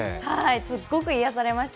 すっごく癒やされました。